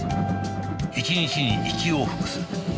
一日に１往復する